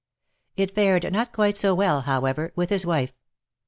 It fared not quite so well, however, with his wife.